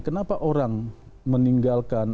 kenapa orang meninggalkan